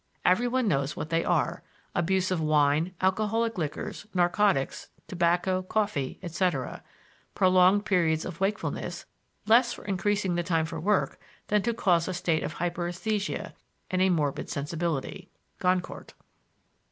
Every one knows what they are abuse of wine, alcoholic liquors, narcotics, tobacco, coffee, etc., prolonged periods of wakefulness, less for increasing the time for work than to cause a state of hyperesthesia and a morbid sensibility (Goncourt).